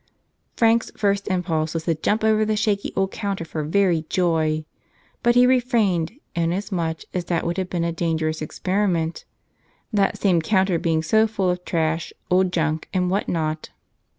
Frank's first impulse was to jump over the shaky old counter for very joy, but he refrained, inasmuch as that would have been a dangerous experiment, that same counter being so full of trash, old junk, and what not.